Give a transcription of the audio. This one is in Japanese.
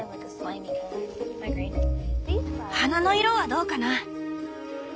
花の色はどうかな？